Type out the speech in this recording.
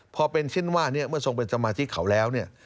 พอเป็นเช่นว่านี้ก็โดยสมเป็นสมาชิกเขาแล้วเนี่ย